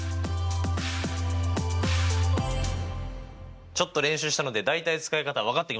ちょっと練習したので大体使い方分かってきました！